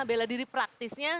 bela diri praktisnya